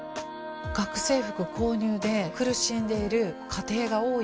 学生服購入で苦しんでいる家庭が多い。